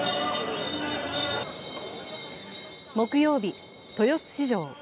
木曜日、豊洲市場。